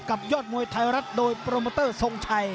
ยอดมวยไทยรัฐโดยโปรโมเตอร์ทรงชัย